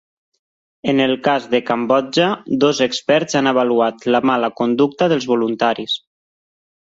En el cas de Cambodja, dos experts han avaluat la mala conducta dels voluntaris.